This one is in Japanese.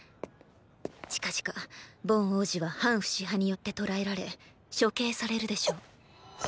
近々ボン王子は反フシ派によって捕らえられ処刑されるでしょう。っ！